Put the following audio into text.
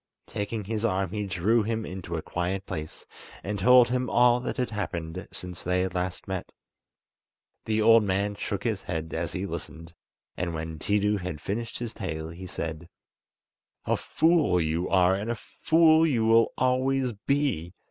Taking his arm he drew him into a quiet place and told him all that had happened since they had last met. The old man shook his head as he listened, and when Tiidu had finished his tale, he said: "A fool you are, and a fool you will always be!